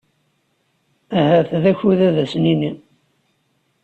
Ahat d akud ad as-nini.